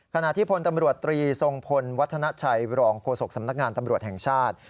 ขณะที่พลตำรวจตรีทรงพลวัฒนาชัยรองโฆษกสำนักงานตำรวจแห่งชาติ